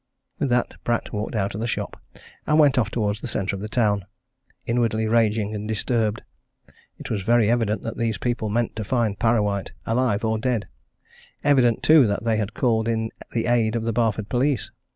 With that Pratt walked out of the shop and went off towards the centre of the town, inwardly raging and disturbed. It was very evident that these people meant to find Parrawhite, alive or dead; evident, too, that they had called in the aid of the Barford police.